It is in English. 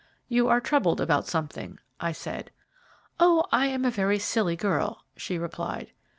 "You are troubled about something," I said. "Oh, I am a very silly girl," she replied.